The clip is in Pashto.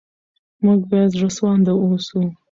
موږ باید زړه سوانده اوسو.